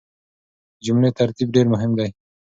د جملې ترتيب ډېر مهم دی.